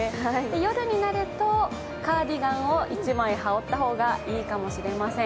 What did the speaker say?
夜になるとカーディガンを１枚羽織った方がいいかもしれません。